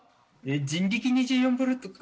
人力２４ボルトか。